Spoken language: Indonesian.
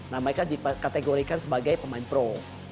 nah mereka dikategorikan sebagai pemain pro